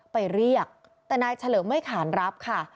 ไปเรียกแต่นายเฉลิมไม่ขานรับค่ะ